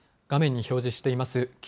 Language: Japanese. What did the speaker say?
画面に表示しています